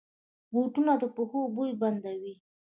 بوټونه د پښو بوی بندوي.